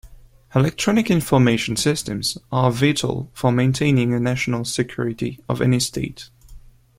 Electronic information systems are vital for maintaining a national security of any state.